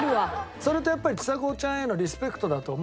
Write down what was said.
それとやっぱりちさ子ちゃんへのリスペクトだと思う。